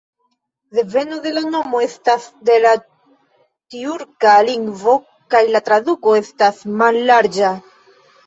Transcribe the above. Deveno de la nomo estas de la tjurka lingvo kaj la traduko estas "mallarĝa".